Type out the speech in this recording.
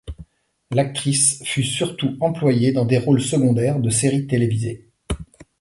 L'actrice fut surtout employée dans des rôles secondaires de séries télévisées.